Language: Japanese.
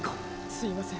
すいません。